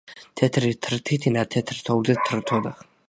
თეთრი თრითინა თეთრ თოვლზე თრთოდა.